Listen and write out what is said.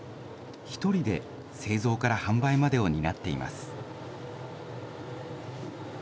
１人で製造から販売までを担っています。